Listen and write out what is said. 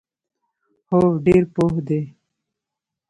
هو، ډیر پوه دي